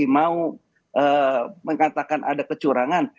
mau mengatakan ada kecurangan